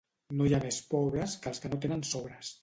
No hi ha més pobres que els que no tenen sobres.